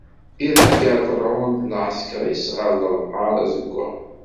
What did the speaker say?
Iḍeyyer Ferɛun d lɛesker-is ɣer lebḥeṛ azeggaɣ.